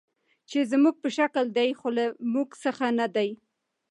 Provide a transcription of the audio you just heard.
چې زموږ په شکل دي، خو له موږ څخه نه دي.